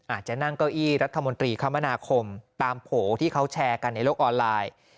อาจจะนั่งเก้าอี้รัฐมนตรีคมนาคมตามโผล่ที่เขาแชร์กันในโลกออนไลน์